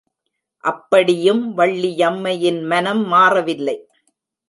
அப்படியும் வள்ளியம்மையின் மனம் மாறவில்லை.